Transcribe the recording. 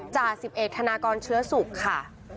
จ่า๑๑ธนากรเชื้อสุขค่ะ